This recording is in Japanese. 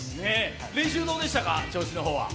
練習どうでしたか、調子の方は。